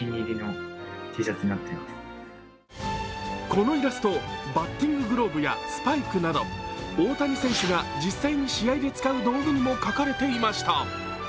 このイラスト、バッティンググローブやスパイクなど大谷選手が実際に試合で使う道具にも描かれていました。